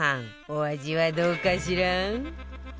お味はどうかしら？